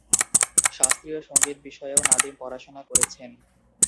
শাস্ত্রীয় সংগীত বিষয়েও নাদিম পড়াশোনা করেছেন।